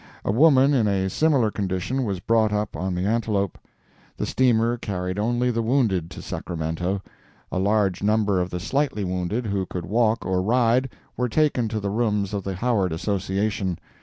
A woman in a similar condition was brought up on the Antelope. The steamer carried only the wounded to Sacramento. A large number of the slightly wounded, who could walk or ride, were taken to the rooms of the Howard Association.